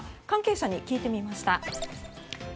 関係者に聞いてみました。